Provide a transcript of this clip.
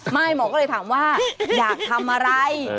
หมอก็เลยถามว่าอยากทำอะไร